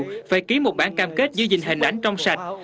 có danh hiệu phải ký một bản cam kết dư dình hình ảnh trong sạch